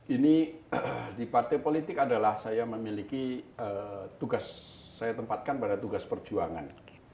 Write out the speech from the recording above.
ini di partai politik adalah saya memiliki tugas saya tempatkan pada tugas perjuangan